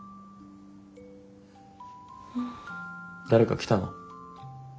誰か来たの？